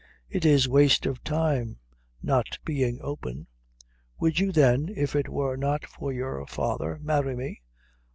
It is waste of time, not being open. Would you, then, if it were not for your father, marry me?"